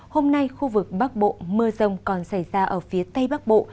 hôm nay khu vực bắc bộ mưa rông còn xảy ra ở phía tây bắc bộ